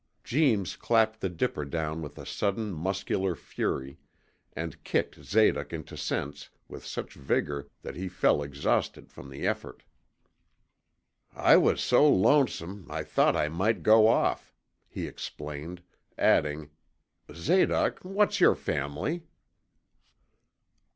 Jeems clapped the dipper down with a sudden muscular fury, and kicked Zadoc into sense with such vigor that he fell exhausted from the effort. 'I was so lonesome, I thought I might go off,' he explained, adding, 'Zadoc, what's your family?'